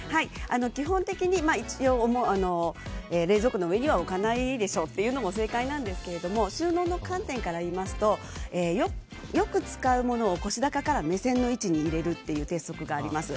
基本的に一応冷蔵庫の上には置かないでしょというのも正解なんですけど収納の観点から言いますとよく使うものを腰高から目線の位置に入れるということがあります。